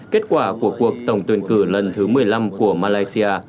kết quả của cuộc tổng tuyển cử lần thứ một mươi năm của malaysia